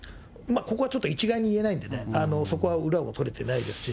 ここはちょっと、一概に言えないんでね、そこは裏が取れてないですし。